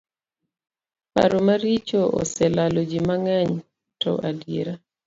Paro maricho oselalo ji mang'eny to adiera.